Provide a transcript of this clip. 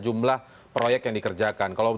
jumlah proyek yang dikerjakan kalau